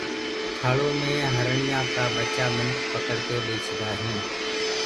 ٿݪو مي هرڻي ڪآ ٻچآ منک پکڙڪي ٻيچدآئين